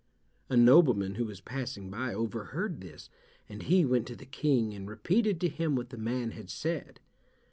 A nobleman who was passing by overheard this, and he went to the King and repeated to him what the man had said.